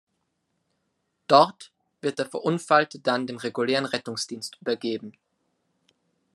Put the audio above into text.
Dort wird der Verunfallte dann dem regulären Rettungsdienst übergeben.